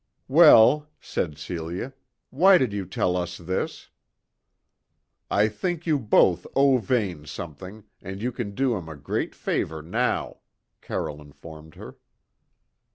"Well," said Celia, "why did you tell us this?" "I think you both owe Vane something, and you can do him a great favour now," Carroll informed her.